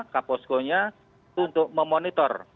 kaposko nya untuk memonitor